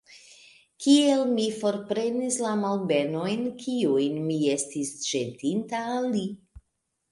Kiel mi forprenis la malbenojn, kiujn mi estis ĵetinta al li!